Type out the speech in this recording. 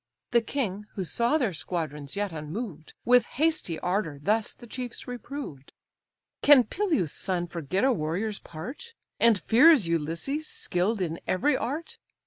The king, who saw their squadrons yet unmoved, With hasty ardour thus the chiefs reproved: "Can Peleus' son forget a warrior's part. And fears Ulysses, skill'd in every art?